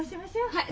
はい。